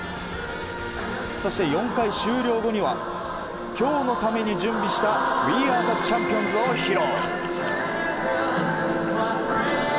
そして、４回終了後には今日のために準備した「ウィ・アー・ザ・チャンピオン」を披露。